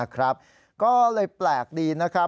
ก็เลยแปลกดีนะครับ